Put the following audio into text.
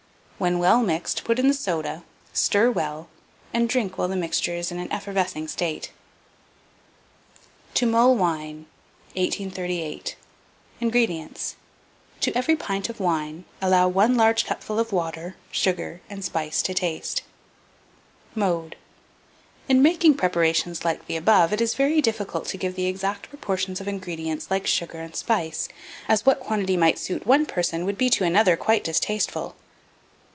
When well mixed, put in the soda, stir well, and drink while the mixture is in an effervescing state. TO MULL WINE. 1838. INGREDIENTS. To every pint of wine allow 1 large cupful of water, sugar and spice to taste. Mode. In making preparations like the above, it is very difficult to give the exact proportions of ingredients like sugar and spice, as what quantity might suit one person would be to another quite distasteful.